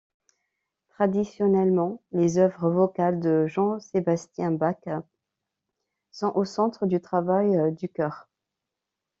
Traditionnellement, les œuvres vocales de Jean-Sébastien Bach sont au centre du travail du choeur.